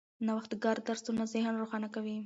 نوښتګر درسونه ذهن روښانه کوي.